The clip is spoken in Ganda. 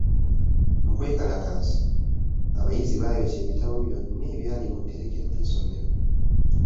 Mu kwekalakaasa, abayizi baayokya ebitabo byonna ebyali mu tterekero ly'essomero.